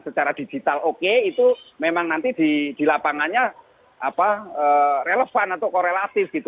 secara digital oke itu memang nanti di lapangannya relevan atau korelatif gitu